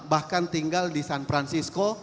bahkan tinggal di san francisco